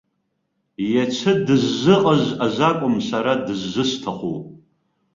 Иацы дыззыҟаз азы акәым сара дыззысҭаху!